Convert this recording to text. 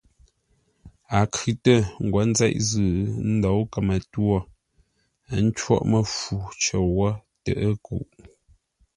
A khʉ̂tə ńgwó nzeʼ zʉ́ ńdǒu kəmə-twô, ə́ ncóghʼ məfu cər wó tə ə́ kuʼ.